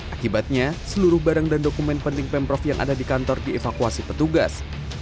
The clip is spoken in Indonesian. akibatnya seluruh barang dan dokumen penting pemprov yang ada di kantor dievakuasi petugas